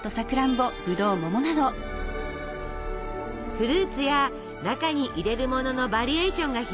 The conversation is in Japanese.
フルーツや中に入れるもののバリエーションが広がり